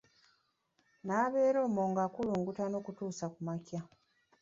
Nabeera omwo nga nkulungutana okutuusa ku makya.